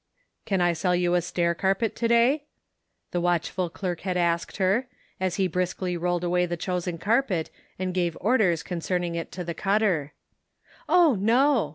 " Can I sell you a stair carpet to day ?" the watchful clerk had asked her, as he briskly rolled away the chosen carpet, and gave orders concerning it to the cutter. " Oh, no